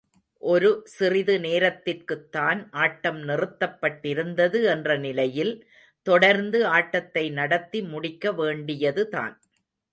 ஒரு சிறிது நேரத்திற்குத்தான் ஆட்டம் நிறுத்தப் பட்டிருந்தது என்ற நிலையில், தொடர்ந்து ஆட்டத்தை நடத்தி முடிக்க வேண்டியதுதான்.